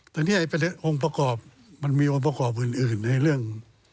ตอนนี้องค์ประกอบมันมีองค์ประกอบอื่นในเรื่อง